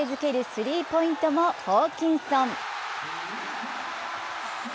スリーポイントもホーキンソン。